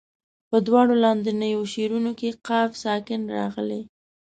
په دواړو لاندنیو شعرونو کې قاف ساکن راغلی.